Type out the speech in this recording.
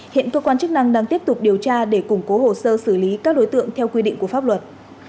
hiện cơ quan chức năng đang tiếp tục điều tra để củng cố hồ sơ xử lý các đối tượng theo quy định của pháp luật